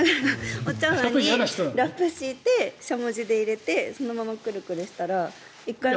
お茶わんにラップを敷いてしゃもじで入れてそのままくるくるしたら１回も。